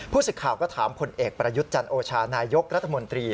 สิทธิ์ข่าวก็ถามผลเอกประยุทธ์จันโอชานายกรัฐมนตรี